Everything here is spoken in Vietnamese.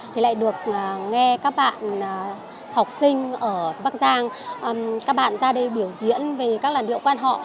thì lại được nghe các bạn học sinh ở bắc giang các bạn ra đây biểu diễn về các làn điệu quan họ